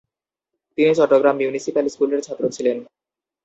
তিনি চট্টগ্রাম মিউনিসিপ্যাল স্কুলের ছাত্র ছিলেন।